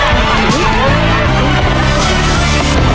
เร็วมากเลยอ่ะ